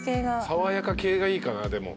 爽やか系がいいかなでも。